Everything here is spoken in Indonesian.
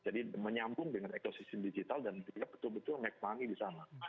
jadi menyambung dengan ekosisi digital dan dia betul betul make money di sana